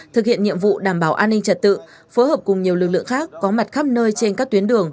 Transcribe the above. thực hiện nhiệm vụ đảm bảo an ninh trật tự phối hợp cùng nhiều lực lượng khác có mặt khắp nơi trên các tuyến đường